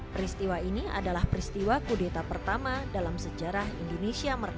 peristiwa ini adalah peristiwa kudeta pertama dalam sejarah indonesia merdeka